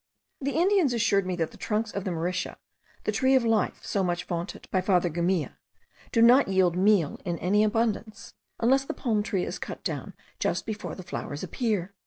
The Indians assured me that the trunks of the Mauritia, the tree of life so much vaunted by father Gumilla, do not yield meal in any abundance, unless the palm tree is cut down just before the flowers appear.